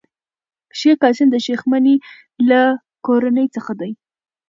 شېخ قاسم د شېخ مني له کورنۍ څخه دﺉ.